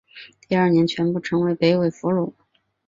第二年全部成为北魏俘虏。